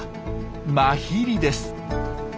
マヒリです。